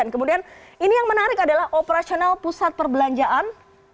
kemudian ini yang menarik adalah operasional pusat perbelanjaan